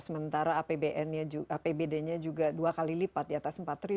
sementara apbd nya juga dua kali lipat di atas rp empat